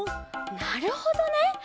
なるほどね！